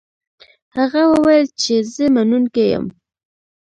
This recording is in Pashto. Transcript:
هغه وویل چې زه منونکی یم.